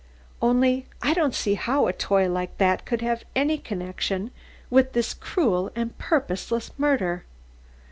Only I don't see how a toy like that could have any connection with this cruel and purposeless murder.